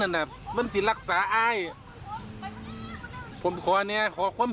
นี่ค่ะ